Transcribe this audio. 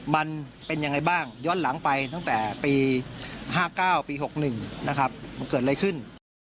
มันเป็นยังไงบ้างย้อนหลังไปตั้งแต่ปี๕๙ปี๖๑นะครับมันเกิดอะไรขึ้น